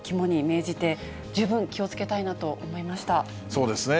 そうですね。